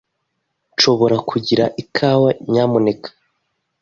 Nshobora kugira ikawa, nyamuneka?